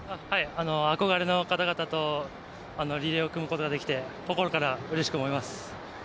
憧れの方々とリレーを組むことができて心からうれしく思います。